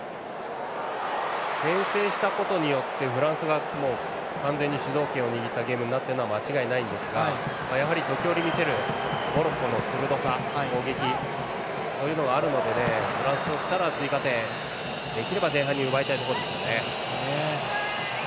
先制したことによってフランスが完全に主導権を握ったゲームになっているのは間違いないんですが時折、見せるモロッコの鋭さ、攻撃があるのでフランスとしたら追加点、できれば前半に奪いたいところですよね。